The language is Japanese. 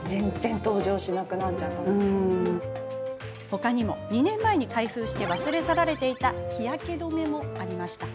ほかにも、２年前に開封して忘れ去られていた日焼け止めもありました。